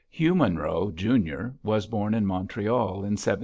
Hugh Monroe, Junior, was born in Montreal in 1798.